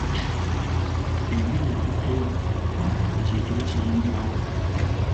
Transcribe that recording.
Enjuba eguddeyo kati ekiro kiyingirawo.